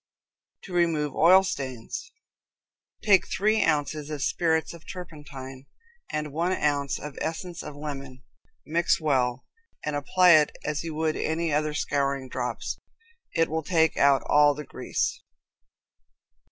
To Remove Oil Stains. Take three ounces of spirits of turpentine and one ounce of essence of lemon, mix well, and apply it as you would any other scouring drops. It will take out all the grease.